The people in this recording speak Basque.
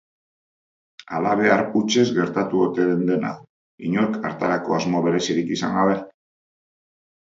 Halabehar hutsez gertatu ote zen dena, inork hartarako asmo berezirik izan gabe?